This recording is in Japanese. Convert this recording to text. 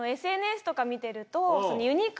ＳＮＳとか見てると。